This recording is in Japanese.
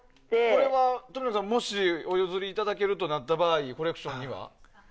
これは冨永さん、もしお譲りいただけるってなった場合コレクションには？